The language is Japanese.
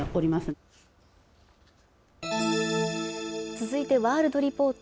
続いてワールドリポート。